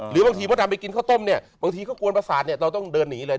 หรือบางทีมดดำไปกินข้าวต้มเนี่ยบางทีเขากวนประสาทเนี่ยเราต้องเดินหนีเลย